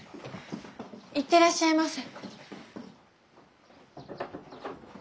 行ってらっしゃいませ。